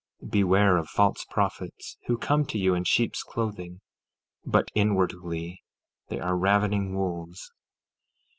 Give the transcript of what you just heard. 14:15 Beware of false prophets, who come to you in sheep's clothing, but inwardly they are ravening wolves.